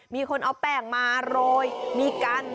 มีคนเอาแป้งมาโรยมีกัน